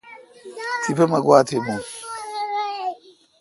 تیپہ مہ گوا تھ بھون۔